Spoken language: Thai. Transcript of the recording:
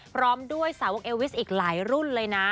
พร้อมด้วยสาวกเอวิสอีกหลายรุ่นเลยนะ